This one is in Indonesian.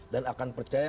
dan akan percaya